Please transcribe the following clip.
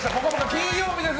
金曜日です。